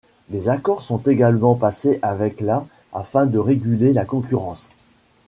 Des accords sont également passés avec la afin de réguler la concurrence.